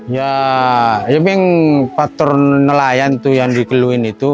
ya tapi yang paturnelayan tuh yang dikeluin itu